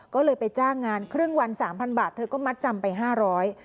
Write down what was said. ก็เลยไปจ้างงานครึ่งวัน๓๐๐๐บาทเธอก็มัดจำไป๕๐๐บาท